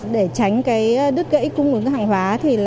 để tránh đứt gãy cung ứng hàng hóa